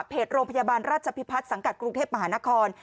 โรงพยาบาลราชพิพัฒน์สังกัดกรุงเทพมหานคร